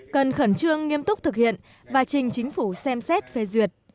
cần khẩn trương nghiêm túc thực hiện và trình chính phủ xem xét phê duyệt